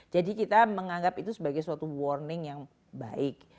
jadi kita menganggap itu sebagai suatu warning yang baik